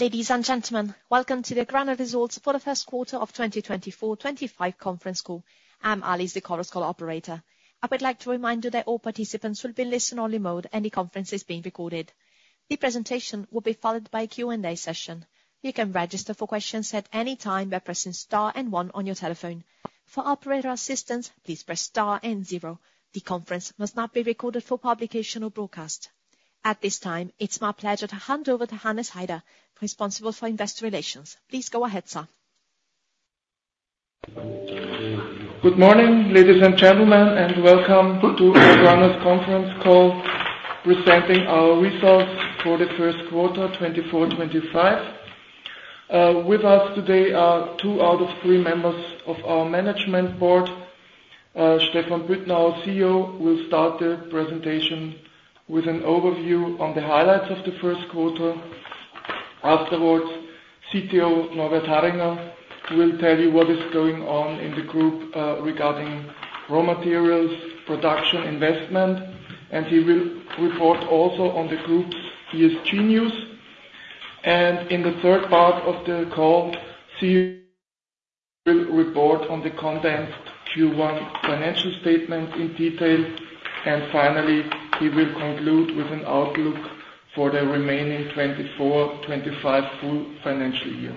Ladies and gentlemen, Welcome to the AGRANA Results for the first quarter of 2024-2025 conference call. I'm Alice, the Chorus Call operator. I would like to remind you that all participants will be in listen-only mode, and the conference is being recorded. The presentation will be followed by a Q&A session. You can register for questions at any time by pressing star and one on your telephone. For operator assistance, please press star and zero. The conference must not be recorded for publication or broadcast. At this time, it's my pleasure to hand over to Hannes Haider, responsible for Investor Relations. Please go ahead, sir. Good morning, ladies and gentlemen, and Welcome to AGRANA's conference call presenting our results for the first quarter 2024-2025. With us today are two out of three members of our management board, Stephan Büttner, our CEO. We'll start the presentation with an overview on the highlights of the first quarter. Afterwards, CTO Norbert Harringer will tell you what is going on in the group regarding raw materials, production, investment, and he will report also on the group's ESG news. In the third part of the call, he will report on the condensed Q1 financial statement in detail. Finally, he will conclude with an outlook for the remaining 2024-2025 full financial year.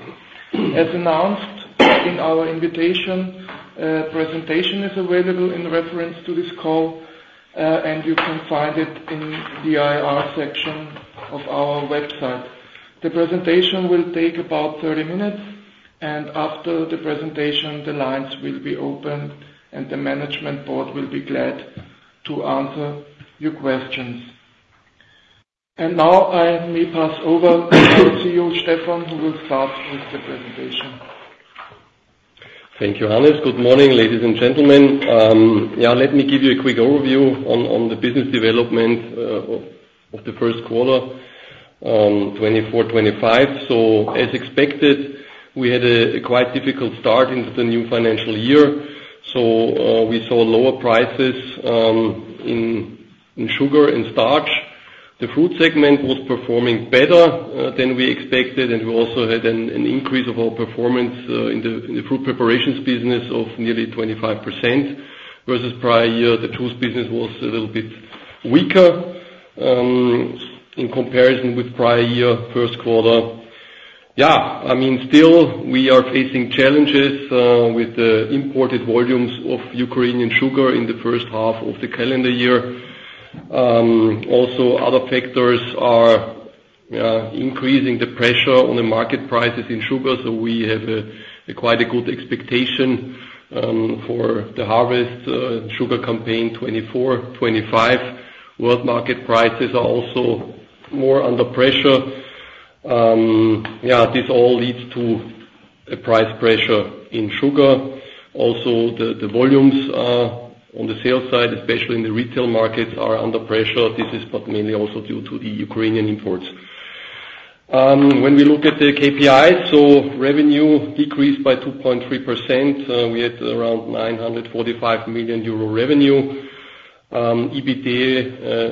As announced in our invitation, a presentation is available in reference to this call, and you can find it in the IR section of our website. The presentation will take about 30 minutes, and after the presentation, the lines will be opened, and the management board will be glad to answer your questions. And now I may pass over to CEO Stephan, who will start with the presentation. Thank you, Hannes. Good morning, ladies and gentlemen. Yeah, let me give you a quick overview on the business development of the first quarter, um 2024-2025. So, as expected, we had a quite difficult start into the new financial year. So, we saw lower prices, um in sugar and starch. The fruit segment was performing better than we expected, and we also had an increase of our performance in the fruit preparations business of nearly 25% versus prior year. The juice business was a little bit weaker um, in comparison with prior year first quarter. Yeah, I mean, still, we are facing challenges uh, with the imported volumes of Ukrainian sugar in the first half of the calendar year. Um also, other factors are increasing the pressure on the market prices in sugar, so we have uh, quite a good expectation um for the harvest sugar campaign 2024-25. World market prices are also more under pressure. Um yeah, this all leads to a price pressure in sugar. Also, the volumes um on the sales side, especially in the retail markets, are under pressure. This is mainly also due to the Ukrainian imports. Um when we look at the KPIs, so revenue decreased by 2.3%. Um we had around 945 million euro revenue. EBITDA,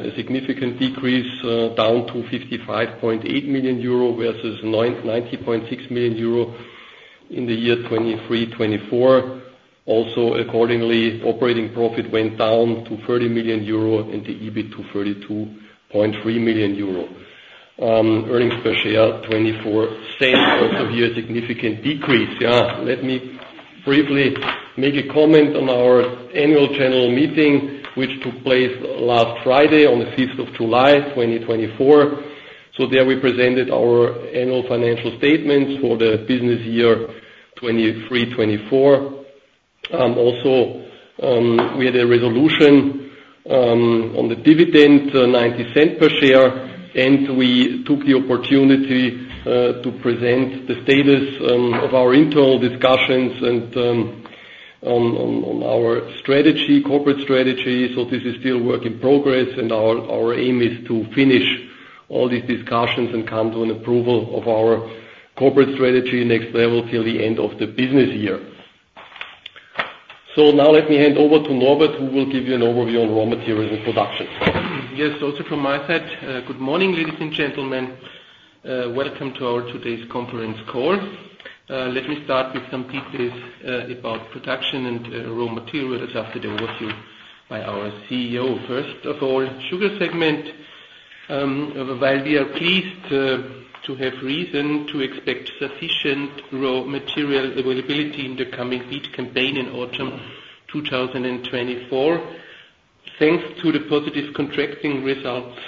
a significant decrease, down to 55.8 million euro versus 90.6 million euro in the year 2023-2024. Also, accordingly, operating profit went down to 30 million euro and the EBIT to 32.3 million euro. Um earnings per share, 0.24. Also, here, a significant decrease. Yeah, let me briefly make a comment on our annual general meeting, which took place last Friday, on the 5th of July 2024. So, there we presented our annual financial statements for the business year 2023-2024. Um also, um we had a resolution um on the dividend, 0.90 per share, and we took the opportunity uh to present the status of our internal discussions and um, on our strategy, corporate strategy. So, this is still a work in progress, and our aim is to finish all these discussions and come to an approval of our corporate strategy next level till the end of the business year. So, now let me hand over to Norbert, who will give you an overview on raw materials and production. Yes, also from my side, good morning, ladies and gentlemen. Uh Welcome to our today's conference call. Uh, let me start with some details about production and raw materials after the overview by our CEO. First of all, sugar segment. Um, a while we are pleased to have reason to expect sufficient raw material availability in the coming beet campaign in autumn 2024, thanks to the positive contracting results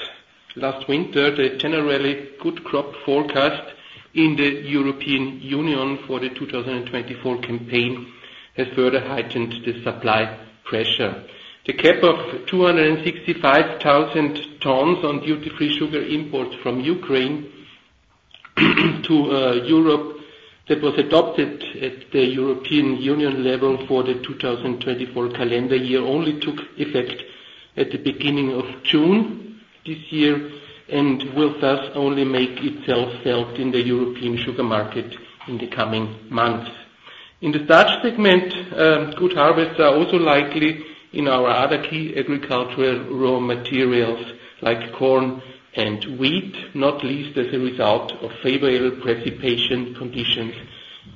last winter, the generally good crop forecast in the European Union for the 2024 campaign has further heightened the supply pressure. The cap of 265,000 tons on duty-free sugar imports from Ukraine to uh Europe that was adopted at the European Union level for the 2024 calendar year only took effect at the beginning of June this year and will thus only make itself felt in the European sugar market in the coming months. In the starch segment, good harvests are also likely in our other key agricultural raw materials like corn and wheat, not least as a result of favorable precipitation conditions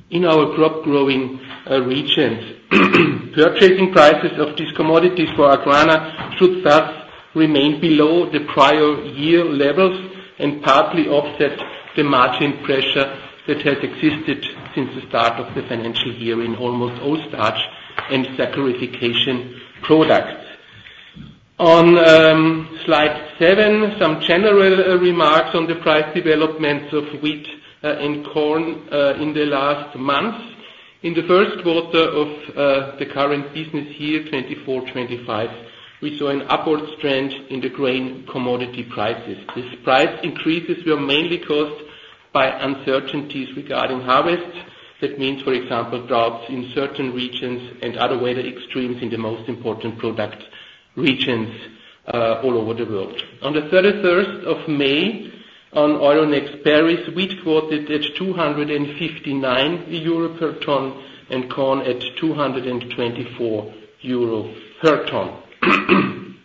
in our crop-growing regions. Purchasing prices of these commodities for AGRANA should thus remain below the prior year levels and partly offset the margin pressure that has existed since the start of the financial year in almost all starch and saccharification product. On um, slide 7 some general remarks on the price developments of wheat and corn uh in the last months. In the first quarter of uh the current business year 2024-2025, we saw an upward trend in the grain commodity prices. These price increases were mainly caused by uncertainties regarding harvest. That means, for example, droughts in certain regions and other weather extremes in the most important product regions all over the world. On the 31st of May, on Euronext Paris, wheat quoted at 259 euro per ton and corn at 224 euro per ton.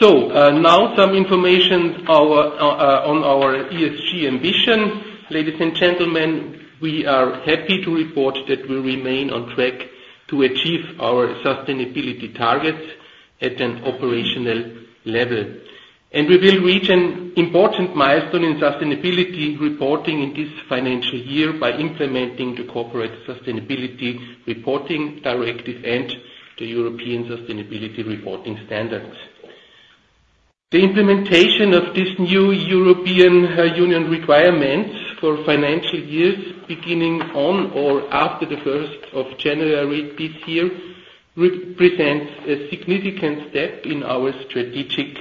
So, uh now some information uh on our ESG ambition. Ladies and gentlemen, we are happy to report that we remain on track to achieve our sustainability targets at an operational level. We will reach an important milestone in sustainability reporting in this financial year by implementing the Corporate Sustainability Reporting Directive and the European Sustainability Reporting Standards. The implementation of this new European Union requirement for financial years beginning on or after the 1st of January this year represents a significant step in our strategic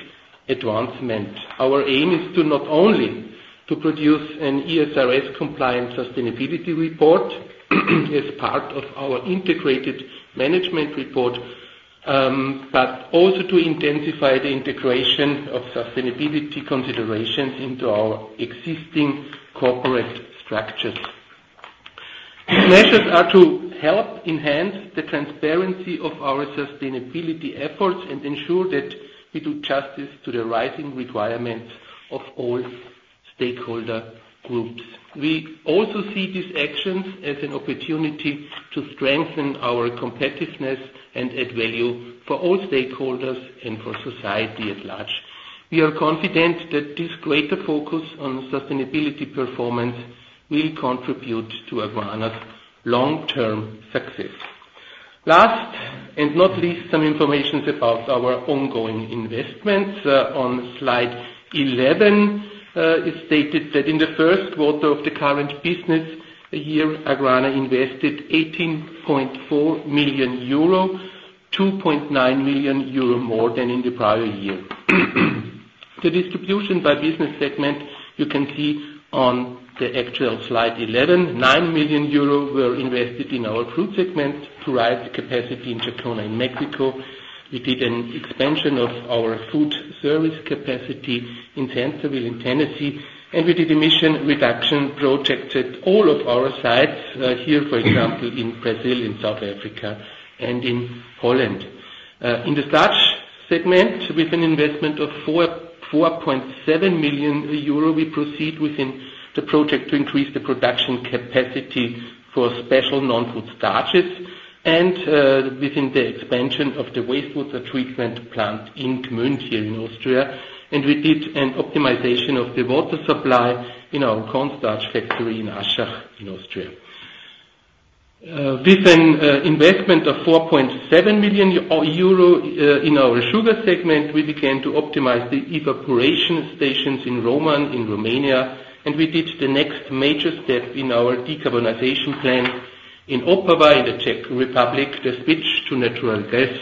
advancement. Our aim is not only to produce an ESRS-compliant sustainability report as part of our integrated management report, um but also to intensify the integration of sustainability considerations into our existing corporate structures. These measures are to help enhance the transparency of our sustainability efforts and ensure that we do justice to the rising requirements of all stakeholder groups. We also see these actions as an opportunity to strengthen our competitiveness and add value for all stakeholders and for society at large. We are confident that this greater focus on sustainability performance will contribute to AGRANA's long-term success. Last but not least, some information about our ongoing investments. On slide 11, it's stated that in the first quarter of the current business year, AGRANA invested 18.4 million euro, 2.9 million euro more than in the prior year. The distribution by business segment, you can see on the actual slide 11, 9 million euro were invested in our fruit segment to raise the capacity in Jacona in Mexico. We did an expansion of our food service capacity in Centerville in Tennessee, and we did emission reduction projects at all of our sites here, for example, in Brazil, in South Africa, and in Poland. Uh. in the starch segment, with an investment of 4.7 million euro, we proceed within the project to increase the production capacity for special non-food starches and within the expansion of the wastewater treatment plant in Gmünd here in Austria. We did an optimization of the water supply in our corn starch factory in Aschach in Austria. Uh, with an investment of 4.7 million euro in our sugar segment, we began to optimize the evaporation stations in Roman in Romania, and we did the next major step in our decarbonization plan in Opava, in the Czech Republic, the switch to natural gas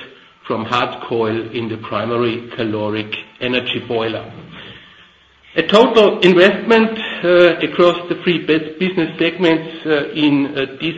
from hard coal in the primary caloric energy boiler. A total investment across the three business segments in this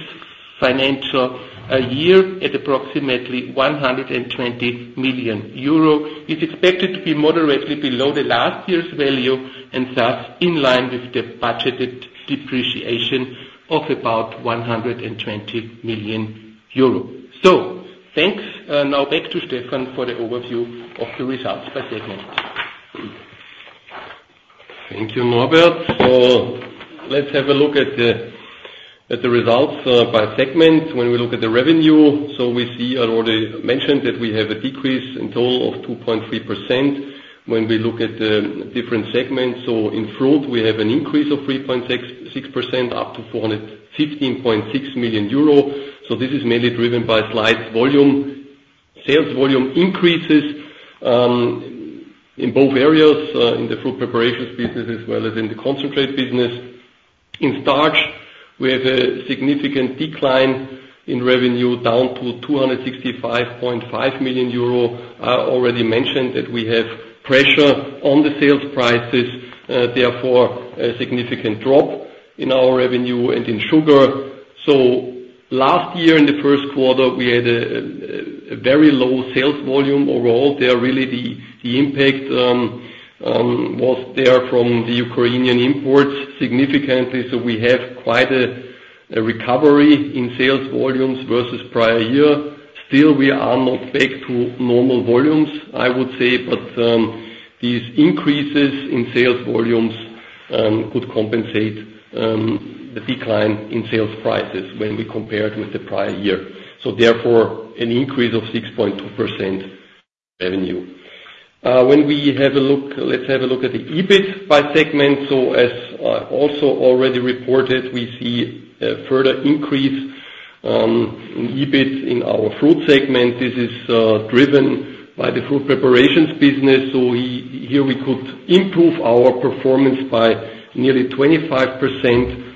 financial year at approximately 120 million euro is expected to be moderately below the last year's value and thus in line with the budgeted depreciation of about 120 million euro. So, thanks. Now back to Stephan for the overview of the results by segment. Thank you, Norbert. So, let's have a look at the results by segment. When we look at the revenue, so we see, I already mentioned that we have a decrease in total of 2.3%. When we look at the different segments, so in fruit, we have an increase of 3.6% up to 415.6 million euro. So, this is mainly driven by sales volume increases, um in both areas, in the fruit preparations business as well as in the concentrate business. In starch, we have a significant decline in revenue down to 265.5 million euro. I already mentioned that we have pressure on the sales prices, uh therefore a significant drop in our revenue and in sugar. So, last year, in the first quarter, we had a very low sales volume overall. There really the impact um was there from the Ukrainian imports significantly. So, we have quite a recovery in sales volumes versus prior year. Still, we are not back to normal volumes, I would say, but these increases in sales volumes um could compensate um the decline in sales prices when we compare it with the prior year. So, therefore, an increase of 6.2% revenue. When we have a look, let's have a look at the EBIT by segment. So, as also already reported, we see a further increase um in EBIT in our fruit segment. This is driven by the fruit preparations business. So, here we could improve our performance by nearly 25%.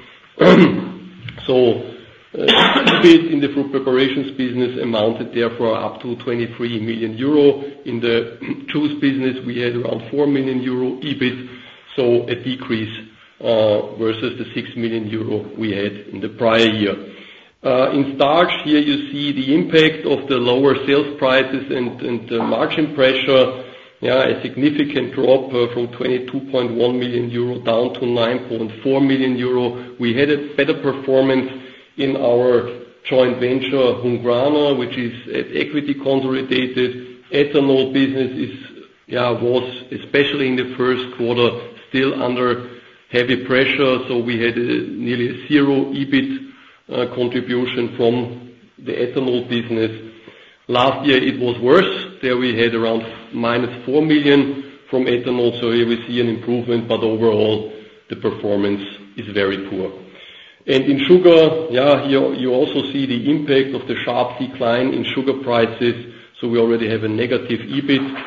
So, EBIT in the fruit preparations business amounted therefore up to 23 million euro. In the juice business, we had around 4 million euro EBIT, so a decrease uh versus the 6 million euro we had in the prior year. In starch, here you see the impact of the lower sales prices and the margin pressure. Yeah, a significant drop from 22.1 million euro down to 9.4 million euro. We had a better performance in our joint venture, Hungrana, which is an equity-consolidated ethanol business. Yeah, was especially in the first quarter still under heavy pressure. So, we had nearly zero EBIT contribution from the ethanol business. Last year, it was worse. There we had around minus 4 million from ethanol. So, here we see an improvement, but overall, the performance is very poor. And in sugar, yeah, here you also see the impact of the sharp decline in sugar prices. So, we already have a negative EBIT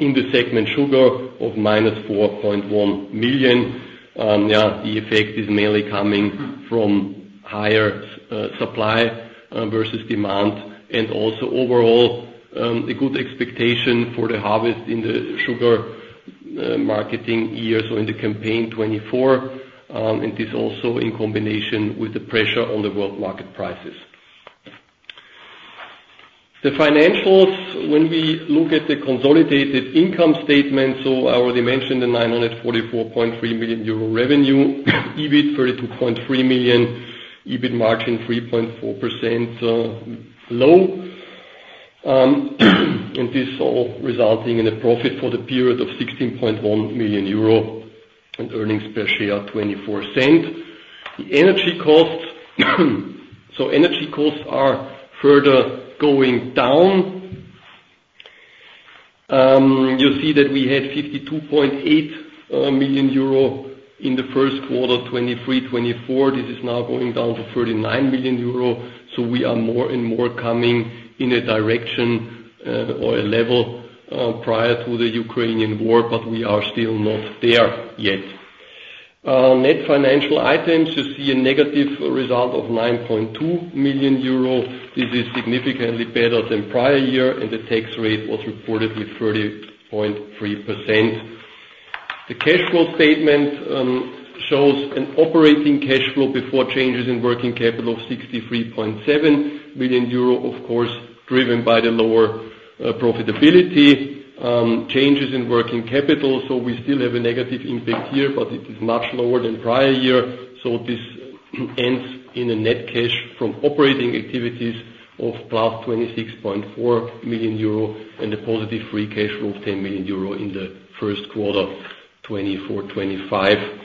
in the segment sugar of minus 4.1 million. Um yeah, the effect is mainly coming from higher supply versus demand and also overall um a good expectation for the harvest in the sugar marketing year or in the campaign 2024. And this also in combination with the pressure on the world market prices. The financials, when we look at the consolidated income statement, so I already mentioned the 944.3 million euro revenue, EBIT 32.3 million, EBIT margin 3.4%, low. Um and this all resulting in a profit for the period of 16.1 million euro and earnings per share 0.24. The energy costs, so energy costs are further going down. Um, you see that we had 52.8 million euro in the first quarter 2023-2024. This is now going down to 39 million euro. So, we are more and more coming in a direction or a level prior to the Ukrainian war, but we are still not there yet. Um net financial items, you see a negative result of 9.2 million euro. This is significantly better than prior year, and the tax rate was reportedly 30.3%. The cash flow statement shows an operating cash flow before changes in working capital of 63.7 million euro, of course, driven by the lower profitability. Um, changes in working capital, so we still have a negative impact here, but it is much lower than prior year. So, this ends in a net cash from operating activities of plus 26.4 million euro and a positive free cash flow of 10 million euro in the first quarter 2024-2025.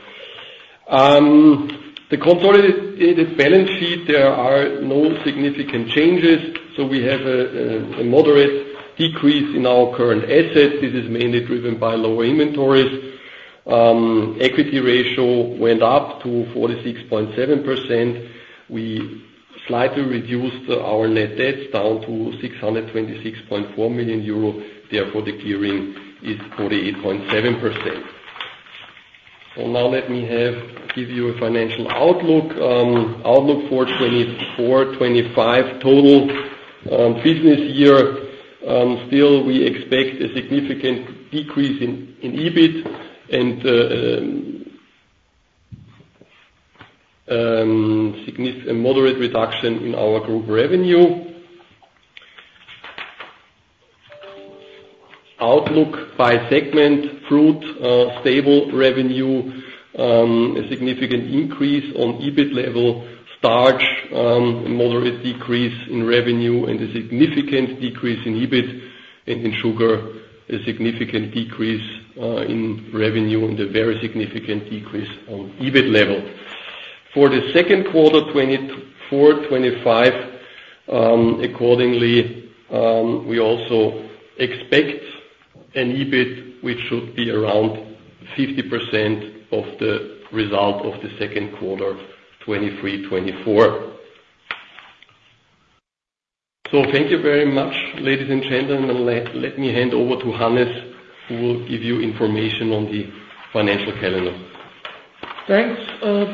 Um, the consolidated balance sheet, there are no significant changes. So, we have a moderate decrease in our current assets. This is mainly driven by lower inventories. Um, equity ratio went up to 46.7%. We slightly reduced our net debts down to 626.4 million euro. Therefore, the clearing is 48.7%. So, now let me give you a financial outlook, um outlook02 for 2024-25 total uh business year. Um, still we expect a significant decrease in EBIT and, um a moderate reduction in our group revenue. Outlook by segment, fruit stable revenue, um a significant increase on EBIT level, um starch moderate decrease in revenue, and a significant decrease in EBIT and in sugar, a significant decrease in revenue, and a very significant decrease on EBIT level. For the second quarter 2024-2025, um accordingly, we also expect an EBIT, which should be around 50% of the result of the second quarter 2023-2024. So, thank you very much, ladies and gentlemen. Let me hand over to Hannes, who will give you information on the financial calendar. Thanks.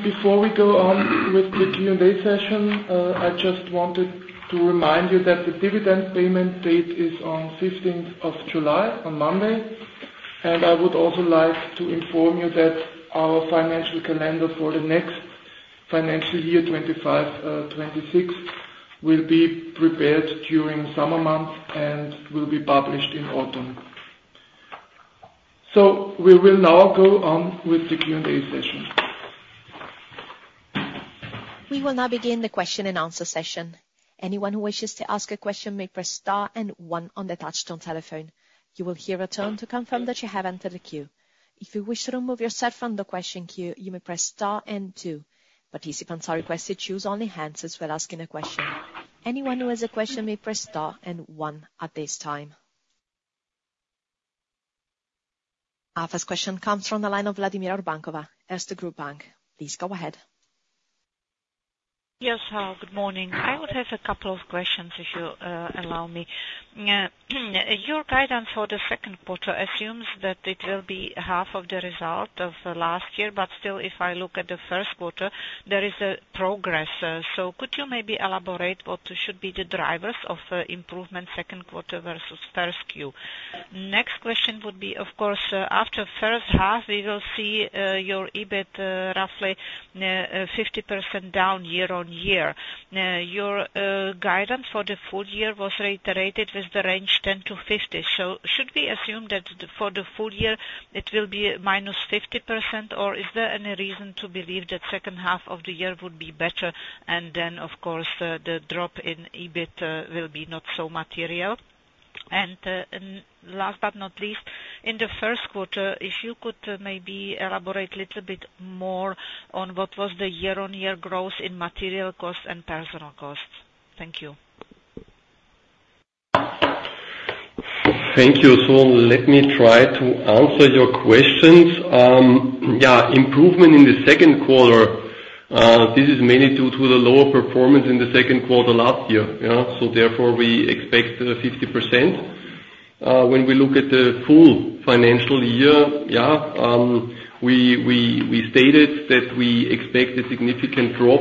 Before we go on with the Q&A session, I just wanted to remind you that the dividend payment date is on 15th of July, on Monday. I would also like to inform you that our financial calendar for the next financial year 2025-2026 will be prepared during summer months and will be published in autumn. So, we will now go on with the Q&A session. We will now begin the question and answer session. Anyone who wishes to ask a question may press star and one on the touch-tone telephone. You will hear a tone to confirm that you have entered the queue. If you wish to remove yourself from the question queue, you may press star and two. Participants are requested to use only the handset while asking a question. Anyone who has a question may press star and one at this time. Our first question comes from the line of Vladimira Urbankova, Erste Group Bank. Please go ahead. Yes, good morning. I would have a couple of questions, if you allow me. Yeah, your guidance for the second quarter assumes that it will be half of the result of last year, but still, if I look at the first quarter, there is a progress. So, could you maybe elaborate what should be the drivers of improvement second quarter versus first Q? Next question would be, of course, after first half, we will see your EBIT roughly 50% down year-on-year. Now your uh guidance for the full year was reiterated with the range 10-50. So, should we assume that for the full year it will be minus 50%, or is there any reason to believe that second half of the year would be better and then, of course, the drop in EBIT will be not so material? And last but not least, in the first quarter, if you could maybe elaborate a little bit more on what was the year-on-year growth in material costs and personal costs. Thank you. Thank you. So, let me try to answer your questions. Yeah, improvement in the second quarter, this is mainly due to the lower performance in the second quarter last year. Yeah, so therefore we expect 50%. When we look at the full financial year, yeah, we stated that we expect a significant drop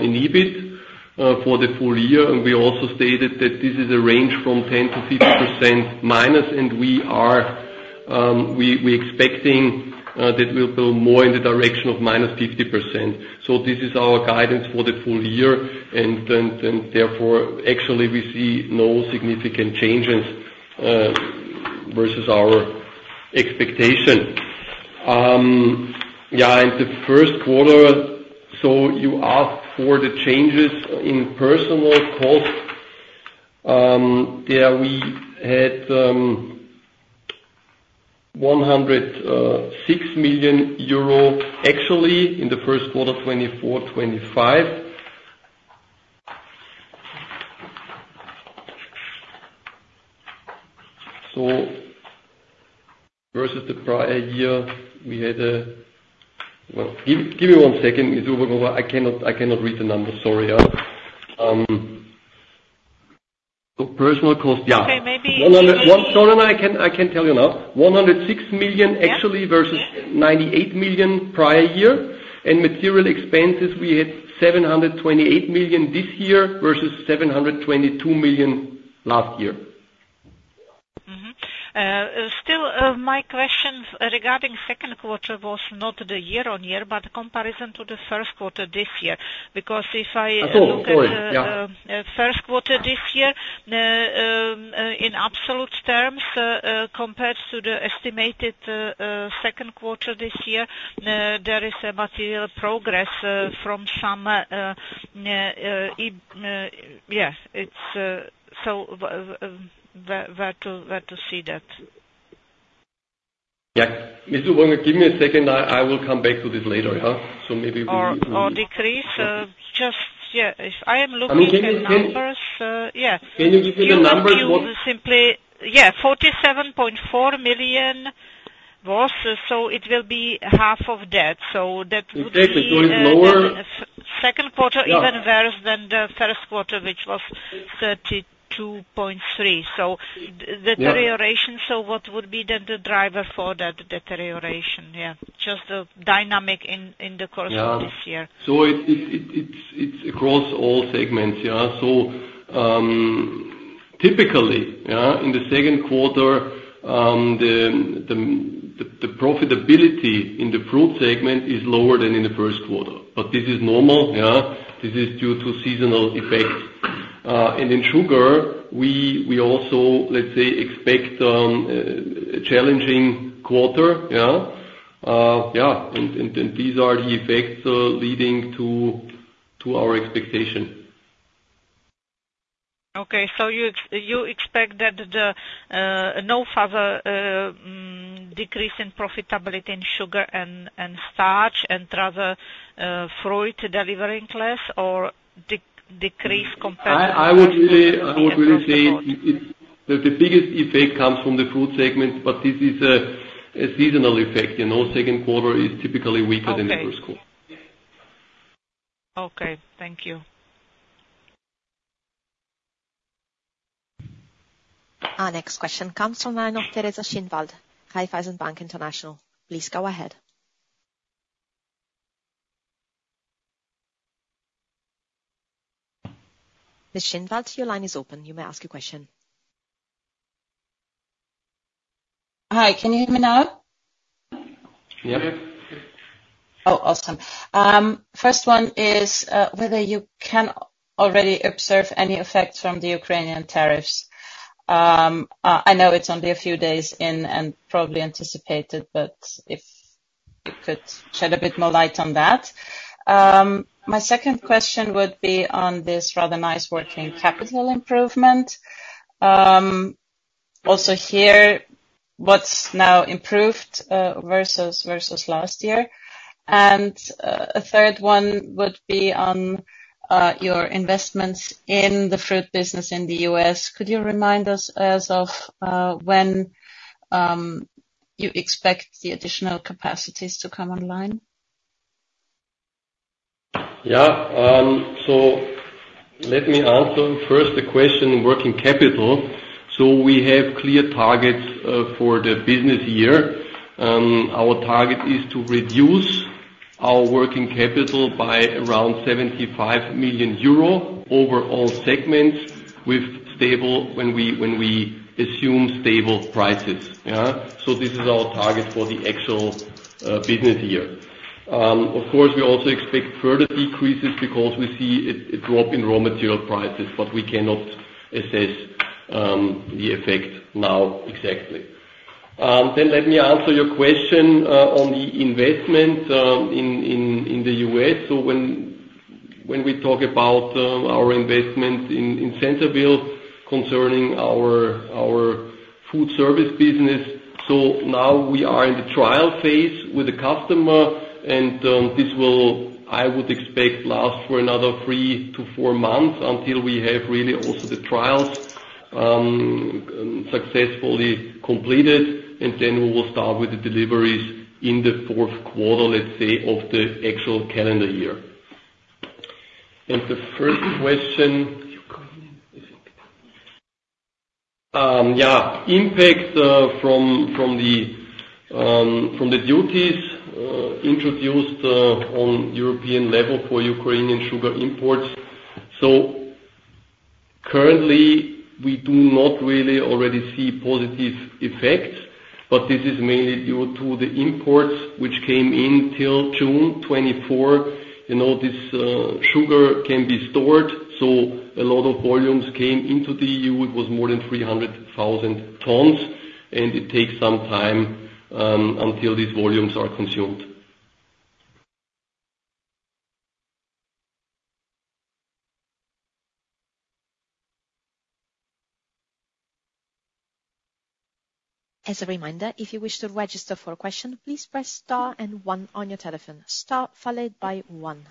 in EBIT for the full year. And we also stated that this is a range from -10% to -50%, and we are um, we expecting that we'll go more in the direction of -50%. So, this is our guidance for the full year, and therefore actually we see no significant changes uh versus our expectation. Um yeah, in the first quarter, so you asked for the changes in personnel costs. Um there we had 106 million euro actually in the first quarter 2024-2025. So, versus the prior year, we had a—well, give me one second, I cannot read the numbers, sorry. So, personal costs, yeah. Okay, maybe. I can tell you now, 106 million actually versus 98 million prior year. And material expenses, we had 728 million this year versus 722 million last year. Still, my question regarding second quarter was not the year-on-year, but comparison to the first quarter this year, because if I look at the first quarter this year in absolute terms compared to the estimated second quarter this year, there is a material progress from some—yeah, so where to see that? Yeah, if you want to give me a second, I will come back to this later. Yeah, so maybe we. Or decrease. Just, yeah, if I am looking at the numbers, yeah. Can you give me the numbers? Yeah, 47.4 million was, so it will be EUR 23.7 million. So that would be. Exactly, so it's lower. Second quarter even worse than the first quarter, which was 32.3. So the deterioration, so what would be then the driver for that deterioration? Yeah, just the dynamic in the course of this year. Yeah, so it's across all segments. Yeah, so um, typically, yeah, in the second quarter, the profitability in the fruit segment is lower than in the first quarter, but this is normal. Yeah, this is due to seasonal effects. And in sugar, we also, let's say, expect a challenging quarter. Yeah, yeah, and these are the effects leading to our expectation. Okay, so you expect that uh no further uh decrease in profitability in sugar and starch and rather uh fruit delivering less or decrease compared to? I would really say the biggest effect comes from the fruit segment, but this is a seasonal effect. Second quarter is typically weaker than the first quarter. Okay. Okay, thank you. Our next question comes from the line of Teresa Schinwald, Raiffeisen Bank International. Please go ahead. Ms. Schinwald, your line is open. You may ask your question. Hi, can you hear me now? Yep. Oh, awesome. First one is whether you can already observe any effects from the Ukrainian tariffs. I know it's only a few days in and probably anticipated, but if you could shed a bit more light on that. My second question would be on this rather nice working capital improvement. Also here, what's now improved versus last year? And a third one would be um on your investments in the fruit business in the U.S. Could you remind us of when um you expect the additional capacities to come online? Yeah, so let me answer first the question working capital. We have clear targets for the business year. Um our target is to reduce our working capital by around 75 million euro over all segments when we, when we assume stable prices. Yeah, so this is our target for the actual business year. Of course, we also expect further decreases because we see a drop in raw material prices, but we cannot assess um the effect now exactly. Um then let me answer your question uh on the investment um in the U.S. So when we talk about our investment in Centerville concerning our food service business, so now we are in the trial phase with the customer, and this will, I would expect, last for another 3-4 months until we have really also the trials successfully completed, and then we will start with the deliveries in the fourth quarter, let's say, of the actual calendar year. And the first question. Um yeah, impact from the duties introduced on European level for Ukrainian sugar imports. So currently, we do not really already see positive effects, but this is mainly due to the imports which came in till June 2024. And all this sugar can be stored, so a lot of volumes came into the EU. It was more than 300,000 tons, and it takes some time um until these volumes are consumed. As a reminder, if you wish to register for a question, please press star and one on your telephone. Star followed by one.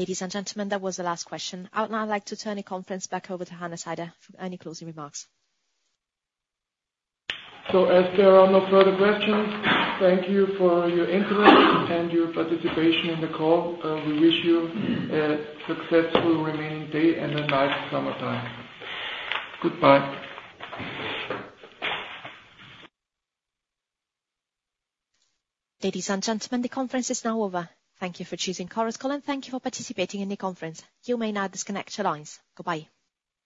Ladies and gentlemen, that was the last question. I would now like to turn the conference back over to Hannes Haider for any closing remarks. As there are no further questions, thank you for your interest and your participation in the call. We wish you a successful remaining day and a nice summertime. Goodbye. Ladies and gentlemen, the conference is now over. Thank you for choosing Chorus Call, and thank you for participating in the conference. You may now disconnect your lines. Goodbye.